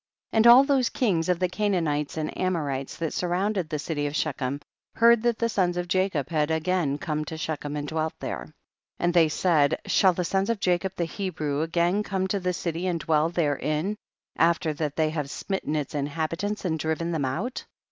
4. And all those kings of the Ca naanites and Amorites that surround ed the city of Shechem, heard that the sons of Jacob had again come to Shechem and dwelt there. 5. And they said, shall the sons of Jacob the Hebrew again come to the city and dwell therein, after that they have smitten its inhabitants and driven them out